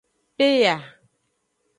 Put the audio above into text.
Peya.